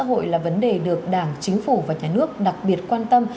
thưa quý vị đảm bảo an sinh xã hội là vấn đề được đảng chính phủ và nhà nước đặc biệt quan tâm